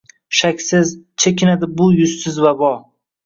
Shaksiz, chekinadi bu yuzsiz vabo: